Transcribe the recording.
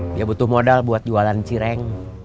dia butuh modal buat jualan cireng